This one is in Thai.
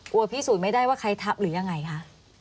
พิสูจน์ไม่ได้ว่าใครทับหรือยังไงคะ